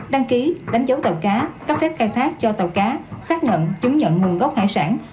đăng ký đánh dấu tàu cá cấp phép khai thác cho tàu cá xác nhận chứng nhận nguồn gốc hải sản